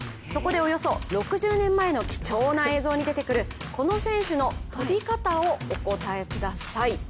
そこで、およそ６０年前の貴重な映像に出てくるこの選手の飛び方をお答えください。